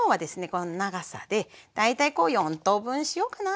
この長さで大体４等分しようかな。